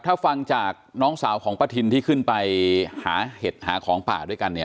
ถ้าฟังจากน้องสาวของป้าทินที่ขึ้นไปหาเห็ดหาของป่าด้วยกันเนี่ย